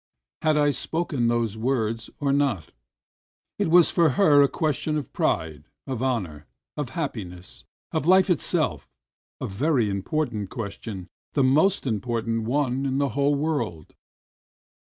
Had I spoken those words or not ? It was for her a question of pride, of honour, of happiness, of Hfe itself, a very important question, the most important one in the whole world.